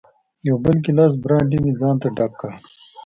یو بل ګیلاس برانډي مې ځانته ډک کړ.